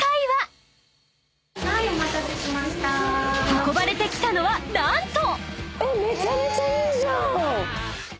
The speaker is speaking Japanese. ［運ばれてきたのは何と］